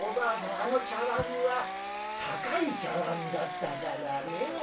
あの茶碗は高い茶碗だったからね。